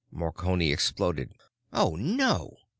Marconi exploded, "Oh, no!"